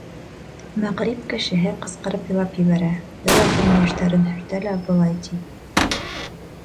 Мәғриб кешеһе ҡысҡырып илап ебәрә, бер аҙҙан йәштәрен һөртә лә былай ти: